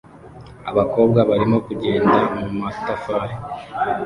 Abakobwa barimo kugenda mumatafari